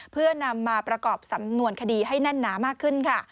เพื่อนำมาประกอบสำนวนคดีให้แน่นหนามากขึ้นค่ะ